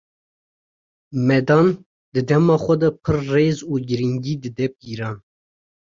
Medan, di dema xwe de pir rêz û girîngî dide pîran.